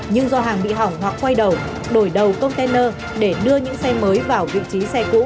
nhưng do hàng bị hỏng hoặc quay đầu đổi đầu container để đưa những xe mới vào vị trí xe cũ